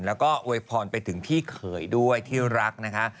แล้วก็อวยพรไปถึงพี่เขยด้วยที่รักนะคะ